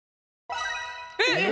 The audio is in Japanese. えっ？